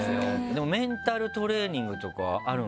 でもメンタルトレーニングとかあるんですよね？